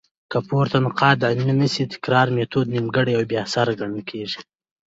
که پورته نقاط عملي نه سي؛ تکراري ميتود نيمګړي او بي اثره ګڼل کيږي.